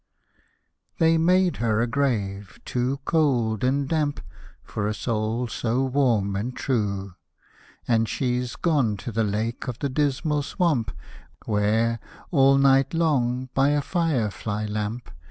" They made her a grave, too cold and damp For a soul so warm and true ; And she's gone to the Lake of the Dismal Swamp, Where, all night long, by a fire fly lamp.